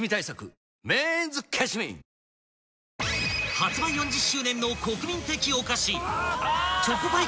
［発売４０周年の国民的お菓子チョコパイ